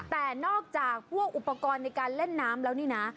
แต่นอกจากพวกอุปกรณ์ในการเล่นน้ำแล้วนี่นะ